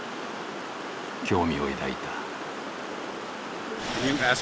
興味を抱いた。